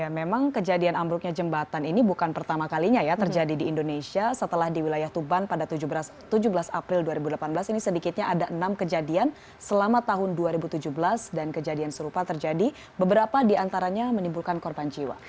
memang kejadian ambruknya jembatan ini bukan pertama kalinya ya terjadi di indonesia setelah di wilayah tuban pada tujuh belas april dua ribu delapan belas ini sedikitnya ada enam kejadian selama tahun dua ribu tujuh belas dan kejadian serupa terjadi beberapa diantaranya menimbulkan korban jiwa